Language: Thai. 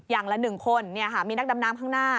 อย่างละ๑คนมีนักดำน้ำข้างหน้า